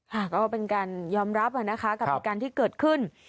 ค่ะก็เป็นการยอมรับนะคะกับเหตุการณ์ที่เกิดขึ้น